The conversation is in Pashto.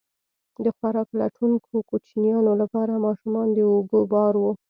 د خوراک لټونکو کوچیانو لپاره ماشومان د اوږو بار وو.